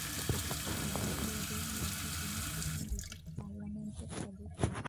ভারতীয়দের মধ্যে তিনিই প্রথম ব্রিটিশ পার্লামেন্টের সদস্য।